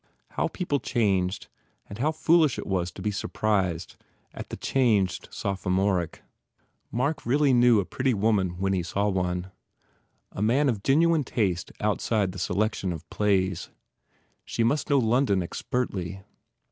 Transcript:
How people changed and how foolish it was to be sur prised at change! Sophomoric. Mark really knew a pretty woman when he saw one. A man of genuine taste outside the selection of plays. She must know London expertly.